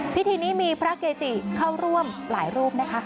พิธีนี้มีพระเกจิเข้าร่วมหลายรูปนะคะ